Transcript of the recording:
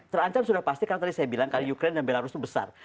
terancam sudah pasti karena tadi saya bilang karena ukraine dan belarus itu besar